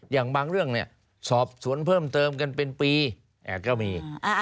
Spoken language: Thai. อย่างบางเรื่องเนี่ยสอบสวนเพิ่มเติมกันเป็นปีก็มี